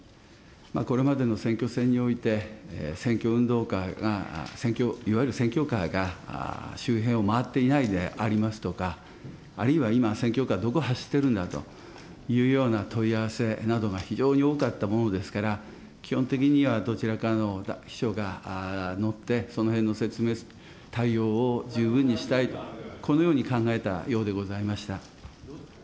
これまでの選挙戦において、選挙運動カーが、いわゆる選挙カーが周辺を回っていないでありますとか、あるいは今、選挙カーがどこ走っているんだという問い合わせなどが非常に多かったものですから、基本的にはどちらかの秘書が乗って、そのへんの説明、対応を十分にしたいと、このように考えたようでございました。